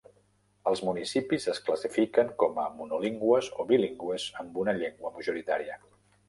Els municipis es classifiquen com a monolingües o bilingües amb una llengua majoritària.